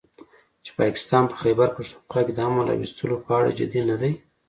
چې پاکستان په خيبرپښتونخوا کې د امن راوستلو په اړه جدي نه دی